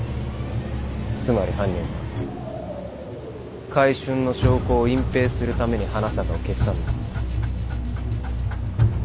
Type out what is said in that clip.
つまり犯人は買春の証拠を隠蔽するために花坂を消したんだ。